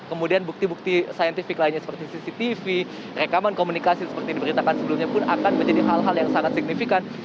kemudian bukti bukti saintifik lainnya seperti cctv rekaman komunikasi seperti diberitakan sebelumnya pun akan menjadi hal hal yang sangat signifikan